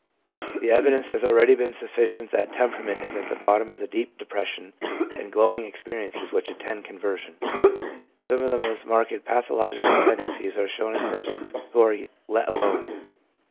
The evidence has already been sufficient that tempera ment is at the bottom of the deep depression and glowing experiences which attend conversion. Some of the most marked pathological tendencies are shown in persons who are let alone.